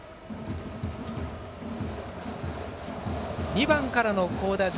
２番からの好打順。